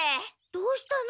どうしたの？